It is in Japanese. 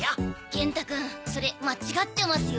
元太くんそれ間違ってますよ。